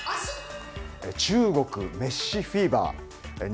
中国、メッシフィーバー。